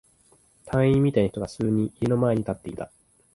隊員みたいな人が数人、家の前に立っていた。